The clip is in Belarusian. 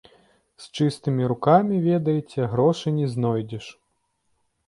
З чыстымі рукамі, ведаеце, грошы не знойдзеш.